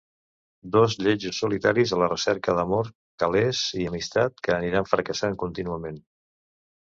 Dos lletjos solitaris a la recerca d'amor, calés i amistats que aniran fracassant contínuament.